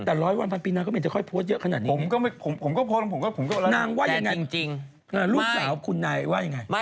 แต่ร้อยวันพันปีนางก็ไม่จะค่อยโพสต์เยอะขนาดนี้นางว่าอย่างไรลูกสาวคุณนายว่าอย่างไร